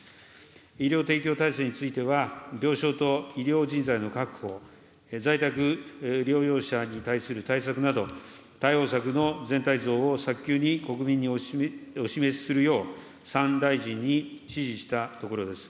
医療提供体制については、病床と医療人材の確保、在宅療養者に対する対策など、対応策の全体像を早急に国民にお示しするよう、３大臣に指示したところです。